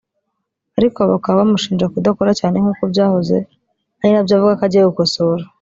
ariko bakaba bamushinja kudakora cyane nkuko byahoze ari nabyo avuga ko agiye gukosora